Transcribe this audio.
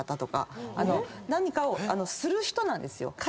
何かをする人なんですよ。